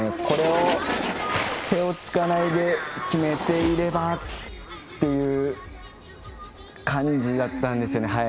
これを、手をつかないで決めていればという感じだったんですよね。